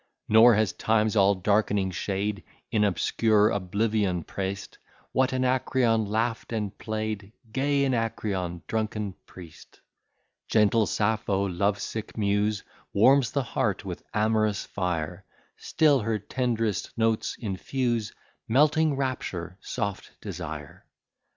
Nor has Time's all darkening shade In obscure oblivion press'd What Anacreon laugh'd and play'd; Gay Anacreon, drunken priest! Gentle Sappho, love sick muse, Warms the heart with amorous fire; Still her tenderest notes infuse Melting rapture, soft desire.